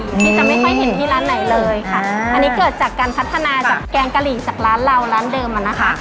ที่จะไม่ค่อยเห็นที่ร้านไหนเลยค่ะอันนี้เกิดจากการพัฒนาจากแกงกะหรี่จากร้านเราร้านเดิมอะนะคะ